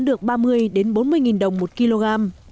bà lam bán được ba mươi bốn mươi nghìn đồng một kg